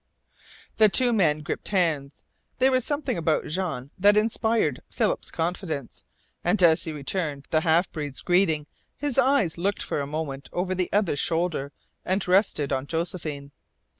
The two men gripped hands. There was something about Jean that inspired Philip's confidence, and as he returned the half breed's greeting his eyes looked for a moment over the other's shoulder and rested on Josephine.